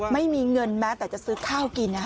ไม่มีเงินแม้แต่จะซื้อข้าวกิน